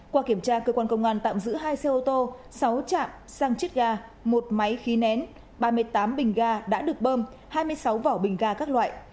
qua kiểm tra cơ quan công an tạm giữ hai xe ô tô sáu chạm san chết gà một máy khí nén ba mươi tám bình gà đã được bơm hai mươi sáu vỏ bình gà các loại